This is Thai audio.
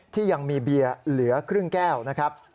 ที่ยังมีเบียร์เหลือครึ่งแก้วนะครับ